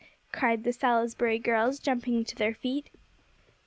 cried the "Salisbury girls," jumping to their feet.